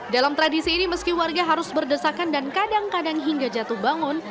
dalam tradisi ini meski warga harus berdesakan dan kadang kadang hingga jatuh bangun